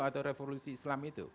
atau revolusi islam itu